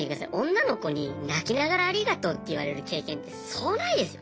女の子に泣きながらありがとうって言われる経験ってそうないですよ。